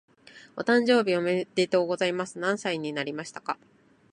お誕生日おめでとうございます。何歳になりましたか？